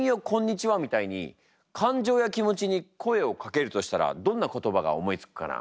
みたいに感情や気持ちに声をかけるとしたらどんな言葉が思いつくかな？